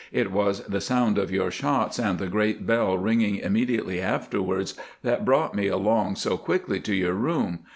"It was the sound of your shots and the great bell ringing immediately afterwards that brought me along so quickly to your room.